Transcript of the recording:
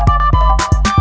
kau mau kemana